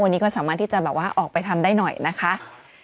วันนี้ก็สามารถที่จะแบบว่าออกไปทำได้หน่อยนะคะ